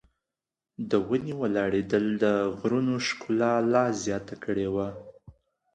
د ونې ولاړېدل د غرونو ښکلا لا زیاته کړې وه.